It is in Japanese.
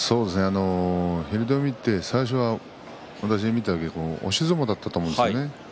平戸海って最初は私、見た時押し相撲だったと思うんですよね。